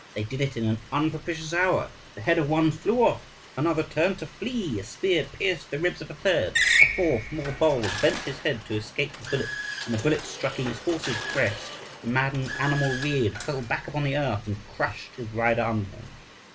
They did it in an unpropitious hour: the head of one flew off, another turned to flee, a spear pierced the ribs of a third; a fourth, more bold, bent his head to escape the bullet, and the bullet striking his horse's breast, the maddened animal reared, fell back upon the earth, and crushed his rider under him.